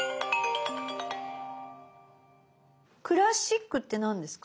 「クラシック」って何ですか？